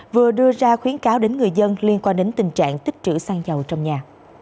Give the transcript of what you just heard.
vừa đưa ra khuyến cáo đến người dân liên quan đến tình trạng tích trữ xăng dầu trong nhà